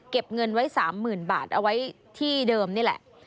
เงินไว้๓๐๐๐บาทเอาไว้ที่เดิมนี่แหละ